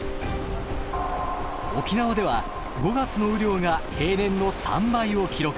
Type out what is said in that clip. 沖縄では５月の雨量が平年の３倍を記録。